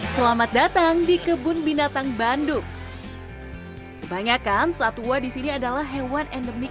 selamat datang di kebun binatang bandung kebanyakan satwa di sini adalah hewan endemik